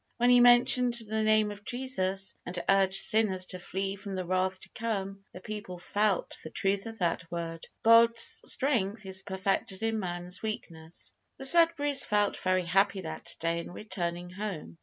When he mentioned the name of Jesus, and urged sinners to flee from the wrath to come, the people felt the truth of that word, "God's strength is perfected in man's weakness." The Sudberrys felt very happy that day on returning home.